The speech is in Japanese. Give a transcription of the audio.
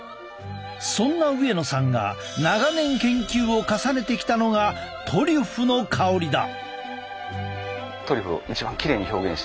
そんな上野さんが長年研究を重ねてきたのがトリュフの香りだ。